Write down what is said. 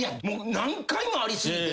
何回もありすぎて。